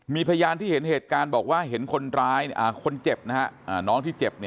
มีพยานที่เห็นเหตุการณ์บอกว่าเห็นคนร้ายคนเจ็บน้องที่เจ็บ